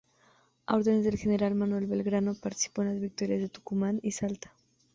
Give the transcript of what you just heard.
A órdenes del general Manuel Belgrano participó en las victorias de Tucumán y Salta.